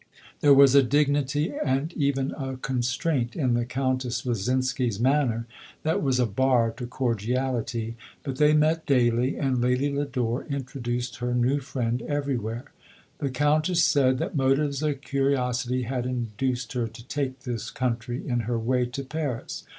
There was a dignity and even a constraint in the Countess Lyzinskfs manner that was a bar to cordiality; hut they met daily, and Lady Lodore introduced her new friend everywhere. The Countess said that mo tives of curiosity had induced her to take this country in her way to Paris.